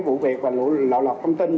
vụ việc và lộ lọc thông tin